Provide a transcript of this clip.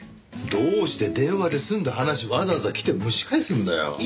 どうして電話で済んだ話わざわざ来て蒸し返すんだよ。